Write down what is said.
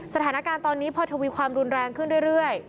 สถานการณ์ตอนนี้พอทวีความรุนแรงขึ้นเรื่อย